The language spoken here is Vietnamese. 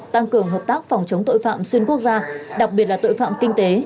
tăng cường hợp tác phòng chống tội phạm xuyên quốc gia đặc biệt là tội phạm kinh tế